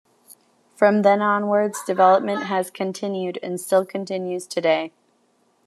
From then onwards development has continued and still continues to-day.